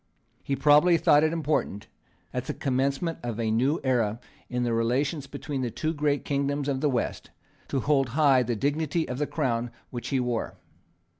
He probably thought it important, at the commencement of a new era in the relations between the two great kingdoms of the West, to hold high the dignity of the Crown which he wore.